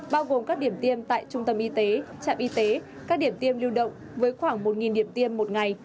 bao gồm các điểm tiêm tại trung tâm y tế trạm y tế các điểm tiêm lưu động với khoảng một điểm tiêm một ngày